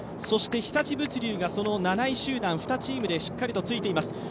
そして日立物流が７位チームでしっかりとついています。